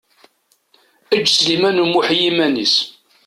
Eǧǧ Sliman U Muḥ i yiman-is.